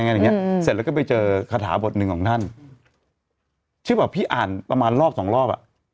อย่างเงี้อืมเสร็จแล้วก็ไปเจอคาถาบทหนึ่งของท่านที่แบบพี่อ่านประมาณรอบสองรอบอ่ะ